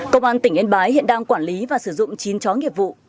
công an tỉnh yên bái hiện đang quản lý và sử dụng chín chó nghiệp vụ